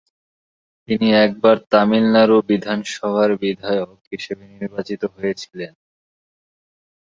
তিনি একবার তামিলনাড়ু বিধানসভার বিধায়ক হিসেবে নির্বাচিত হয়েছিলেন।